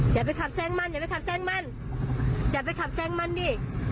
อย่าไปขับแซงมันอย่าไปขับแซงมันอย่าไปขับแซงมันดิ